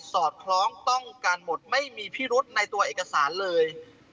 อดคล้องต้องการหมดไม่มีพิรุษในตัวเอกสารเลย